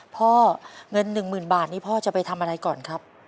เงิน๑๐๐๐บาทนี้พ่อจะไปทำอะไรก่อนครับ